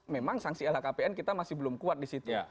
memang sanksi lhkpn kita masih belum kuat di situ